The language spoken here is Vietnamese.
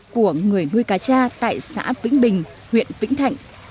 của người nuôi cá tra tại xã vĩnh bình huyện vĩnh thạnh